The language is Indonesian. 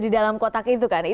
di dalam kotak itu kan